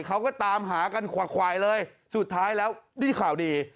เขาก็ตามหากันขวาควายเลยสุดท้ายแล้วได้ข่าวดี